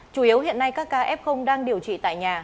chủ yếu hiện nay các ca f đang điều trị tại nhà